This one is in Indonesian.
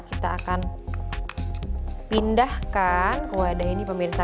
kita akan pindahkan ke wadah ini pemirsa